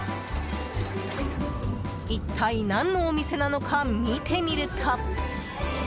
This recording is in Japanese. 一体、何のお店なのか見てみると。